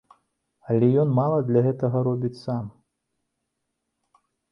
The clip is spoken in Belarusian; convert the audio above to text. Але ён мала для гэтага робіць сам.